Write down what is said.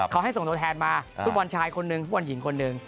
เขาให้ส่งตัวแทนมาฟุตบอลชายคนหนึ่งฟุตบอลหญิงคนหนึ่ง